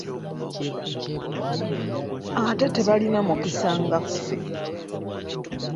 Ate tebalina mukisa nga ffe.